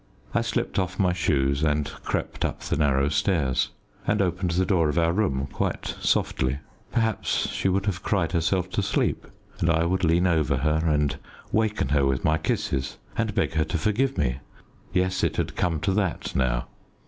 I slipped off my shoes and crept up the narrow stairs, and opened the door of our room quite softly. Perhaps she would have cried herself to sleep, and I would lean over her and waken her with my kisses and beg her to forgive me. Yes, it had come to that now.